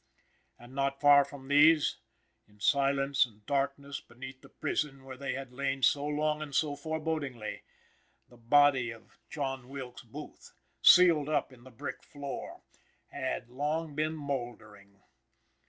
And not far from these, in silence and darkness beneath the prison where they had lain so long and so forbodingly, the body of John Wilkes Booth, sealed up in the brick floor, had long been mouldering.